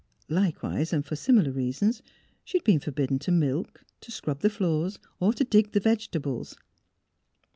Likewise and for similar rea sons, she had been forbidden to milk, to scrub the floors, to dig the vegetables.